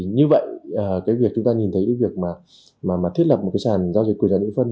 như vậy việc chúng ta nhìn thấy việc thiết lập sàn giao dịch của nhà mỹ vân